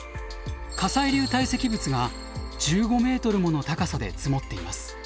火砕流堆積物が１５ｍもの高さで積もっています。